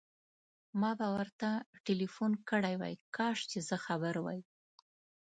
ما به درته ټليفون کړی وای، کاش چې زه خبر وای.